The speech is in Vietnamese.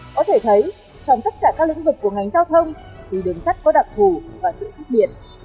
có thể thấy trong tất cả các lĩnh vực của ngành giao thông thì đường sắt có đặc thù và sự khác biệt